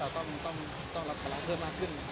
อย่างไหนคุณอาจจะกังวลว่าพอมีคุณที่ตอบลูกคุณแหละ